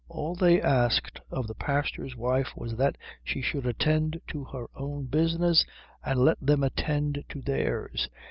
All they asked of the pastor's wife was that she should attend to her own business and let them attend to theirs.